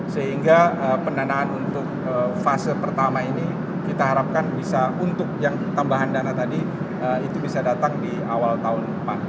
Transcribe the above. sehingga pendanaan untuk fase pertama ini kita harapkan bisa untuk yang tambahan dana tadi itu bisa datang di awal tahun depan